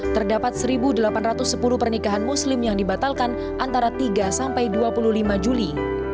terdapat satu delapan ratus sepuluh pernikahan muslim yang dibatalkan antara tiga sampai dua puluh lima juli